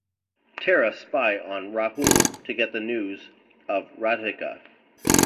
Tara spy on Rahul to get the news of Radhika.